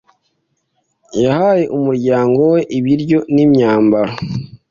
Yahaye umuryango we ibiryo n'imyambaro.